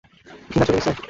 ভীনা চলে গেছে?